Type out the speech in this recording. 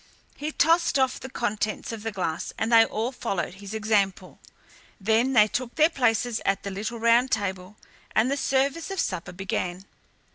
He tossed off the contents of the glass and they all followed his example. Then they took their places at the little round table and the service of supper began.